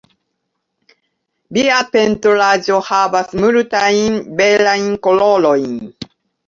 Via pentraĵo havas multajn belajn kolorojn.